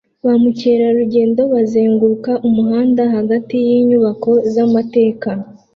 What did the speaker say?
Ba mukerarugendo bazenguruka umuhanda hagati yinyubako zamateka